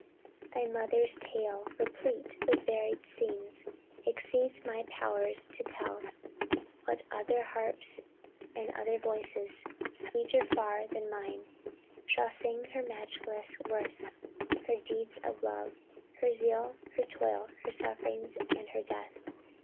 Thy mother's tale replete with varied scenes, Exceeds my powers to tell; but other harps And other voices, sweeter far than mine, Shall sing her matchless worth, her deeds of love, Her zeal, her toil, her sufferings and her death.